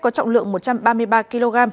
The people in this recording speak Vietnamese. có trọng lượng một trăm ba mươi ba kg